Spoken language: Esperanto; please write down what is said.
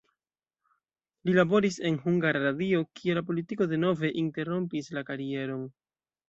Li laboris en Hungara Radio, kie la politiko denove interrompis la karieron.